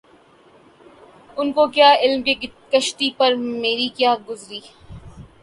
ان کو کیا علم کہ کشتی پہ مری کیا گزری